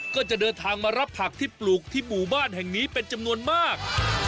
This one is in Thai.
ก็จะเดินทางมารับผักที่ปลูกที่หมู่บ้านแห่งนี้เป็นจำนวนมาก